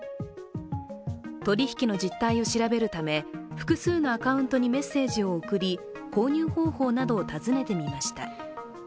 取り引きの実態を調べるため、複数のアカウントにメッセージを送り、購入方法などを尋ねてみました。